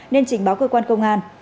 nên trình báo cơ quan công an